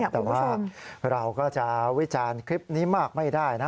แต่ว่าเราก็จะวิจารณ์คลิปนี้มากไม่ได้นะ